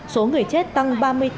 số người chết tăng ba mươi tám bốn